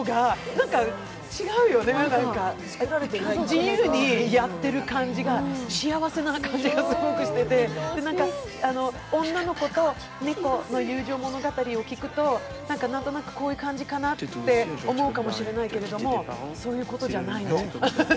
なんか違うよね、自由にやってる感じが幸せな感じがすごくしてて女の子と猫の友情物語を聞くとなんか何となくこういう感じかなって思うかもしれないけど、そういうことじゃないの。